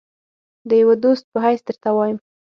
د یوه دوست په حیث درته وایم.